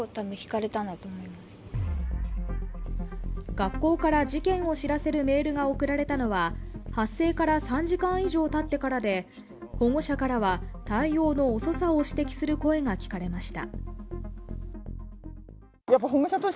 学校から事件を知らせるメールが送られたのは発生から３時間以上たってからで、保護者からは、対応の遅さを指摘する声が聞かれました。